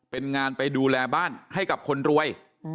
เป็นงานไปดูแลบ้านให้กับคนรวย